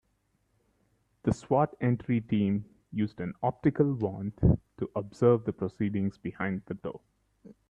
The S.W.A.T. entry team used an optical wand to observe the proceedings behind the door.